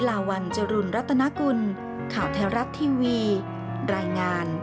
ขอบคุณครับทุกคน